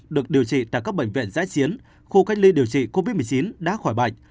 được điều trị tại các bệnh viện giã chiến khu cách ly điều trị covid một mươi chín đã khỏi bệnh